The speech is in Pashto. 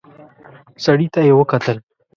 سړي ته يې وکتل.